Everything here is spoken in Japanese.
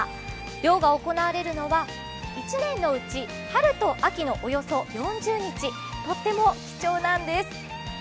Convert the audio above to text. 漁が行われるののは１年のうち、春と秋の４０日、とっても貴重なんです。